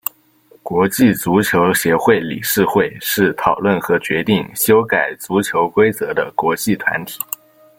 国际足球协会理事会是讨论和决定修改足球规则的国际团体。